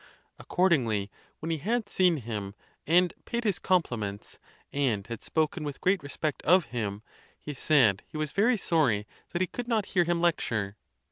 Accordingly, when he had seen him, and paid his compliments, and had spoken with great respect of him, he said he was very sorry that he could not hear him lecture.